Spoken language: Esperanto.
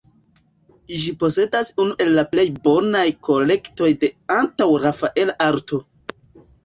Ĝi posedas unu el la plej bonaj kolektoj de antaŭ-Rafaela arto.